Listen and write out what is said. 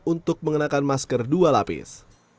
untuk mengenakan masker dua lapis